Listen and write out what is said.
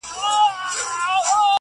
نه به ډزي وي، نه لاس د چا په وینو،